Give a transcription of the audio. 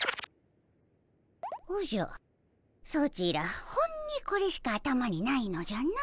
おじゃソチらほんにこれしか頭にないのじゃな。